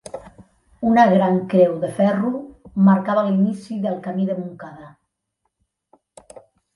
Una gran creu de ferro marcava l'inici del camí de Montcada.